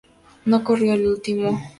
No corrió el último.